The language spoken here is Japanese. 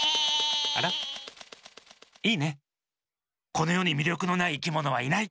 このよにみりょくのないいきものはいない。